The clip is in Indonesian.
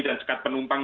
dan sekat penumpang